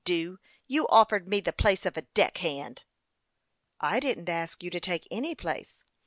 Just now you offered me the place of a deck hand !"" I didn't ask you to take any place.